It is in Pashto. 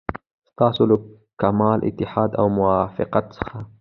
ستاسو له کمال اتحاد او موافقت څخه.